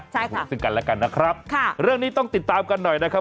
ใช่ค่ะซึ่งกันและกันนะครับค่ะเรื่องนี้ต้องติดตามกันหน่อยนะครับ